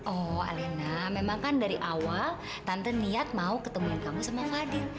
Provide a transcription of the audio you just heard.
oh alena memang kan dari awal tante niat mau ketemuin kamu semua fadil